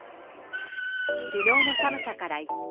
きのうの寒さから一転。